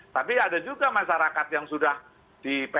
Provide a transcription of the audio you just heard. tapi ada juga masyarakat yang sudah dipetakan